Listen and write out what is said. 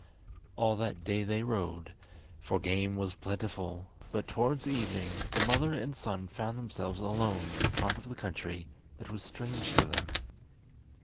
All that day they rode, for game was plentiful, but towards evening the mother and son found themselves alone in a part of the country that was strange to them.